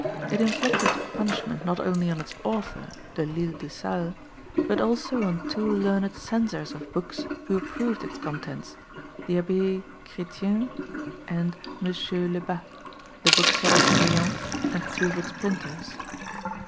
It inflicted punishment not only on its author, De Lisle de Sales, but also on two learned censors of books who approved its contents, the Abbé Chrétien and M. Lebas, the bookseller Saillant, and two of its printers.